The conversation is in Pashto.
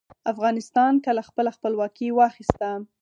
افغانستان کله خپله خپلواکي واخیسته؟